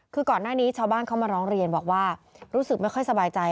คือก่อนหน้านี้ชาวบ้านเขามาร้องเรียนบอกว่ารู้สึกไม่ค่อยสบายใจ